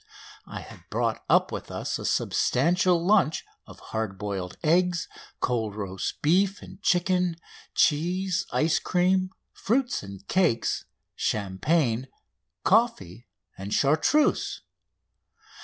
I had brought up with us a substantial lunch of hard boiled eggs, cold roast beef and chicken, cheese, ice cream, fruits and cakes, champagne, coffee, and Chartreuse.